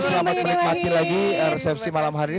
selamat menikmati lagi resepsi malam hari ini